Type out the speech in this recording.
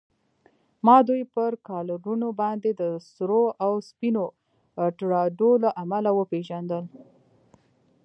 ما دوی پر کالرونو باندې د سرو او سپینو ټراډو له امله و پېژندل.